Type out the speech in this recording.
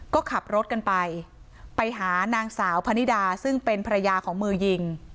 ก็ขับรถกันไป